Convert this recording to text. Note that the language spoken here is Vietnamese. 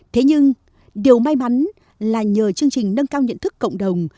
thế nhưng điều may mắn là nhờ chương trình nâng cao nhận thức cộng đồng